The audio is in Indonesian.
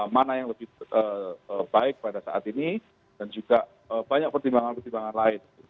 mana yang lebih baik pada saat ini dan juga banyak pertimbangan pertimbangan lain